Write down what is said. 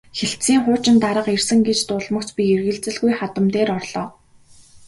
Хэлтсийн хуучин дарга ирсэн гэж дуулмагц би эргэлзэлгүй хадам дээр орлоо.